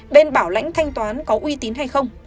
bên bảo lãnh thanh toán có uy tín hay không